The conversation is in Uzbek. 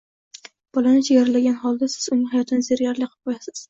Bolani chegaralagan holda siz uning hayotini zerikarli qilib qo‘yasiz.